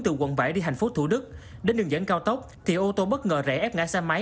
từ quận bảy đi tp thủ đức đến đường dẫn cao tốc thì ô tô bất ngờ rẽ ép ngã xe máy